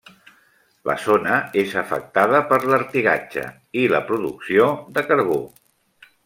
La zona és afectada per l'artigatge i la producció de carbó.